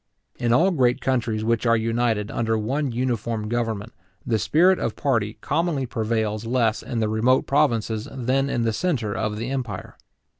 In all great countries which are united under one uniform government, the spirit of party commonly prevails less in the remote provinces than in the centre of the empire.